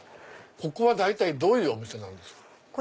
ここは大体どういうお店なんですか？